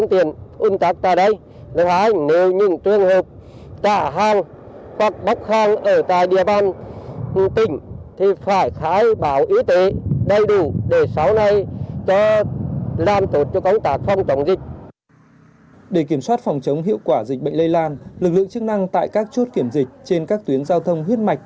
để kiểm soát phòng chống hiệu quả dịch bệnh lây lan lực lượng chức năng tại các chốt kiểm dịch trên các tuyến giao thông huyết mạch